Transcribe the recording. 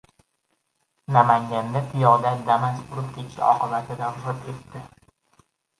Namanganda piyoda Damas urib ketishi oqibatida vafot etdi